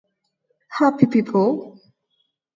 Happy People”